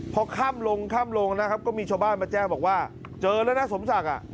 พอค่ำลงค่ำลงนะครับก็มีชาวบ้านมาแจ้งบอกว่าเจอแล้วนะสมศักดิ์อ่ะ